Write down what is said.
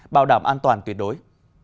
bảo đảm an toàn tuyệt đối